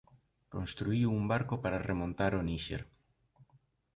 Construíu un barco para remontar o Níxer.